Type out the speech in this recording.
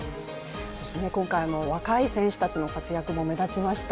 そして今回、若い選手たちの活躍も目立ちました。